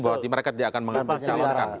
bahwa mereka tidak akan mengambil calon